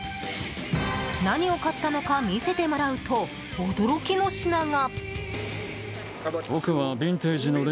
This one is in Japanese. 何を買ったのか見せてもらうと驚きの品が。